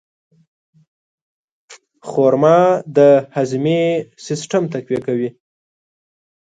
خرما د هاضمې سیستم تقویه کوي.